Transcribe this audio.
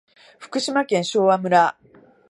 福島県昭和村